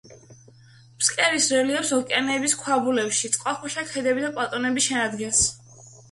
ფსკერის რელიეფს ოკეანეების ქვაბულები, წყალქვეშა ქედები და პლატოები შეადგენს.